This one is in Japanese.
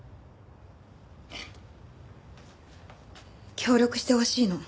協力してほしいの。